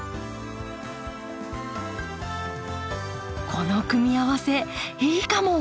この組み合わせいいかも！